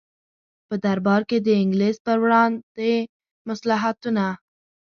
په دربار کې د انګلیس پر وړاندې مصلحتونه.